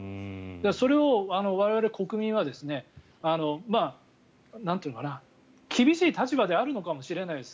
それを我々国民は厳しい立場であるのかもしれないです。